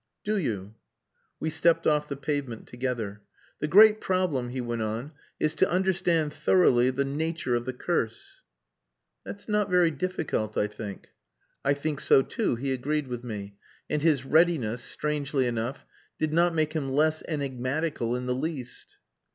"Do you?" We stepped off the pavement together. "The great problem," he went on, "is to understand thoroughly the nature of the curse." "That's not very difficult, I think." "I think so too," he agreed with me, and his readiness, strangely enough, did not make him less enigmatical in the least.